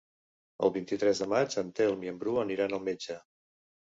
El vint-i-tres de maig en Telm i en Bru aniran al metge.